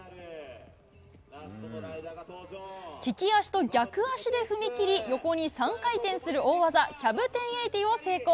利き足と逆足で踏み切り、横に３回転する大技、キャブ１０８０を成功。